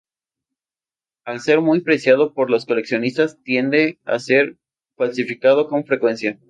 Al ser muy preciado por los coleccionistas, tiende a ser falsificado con frecuencia.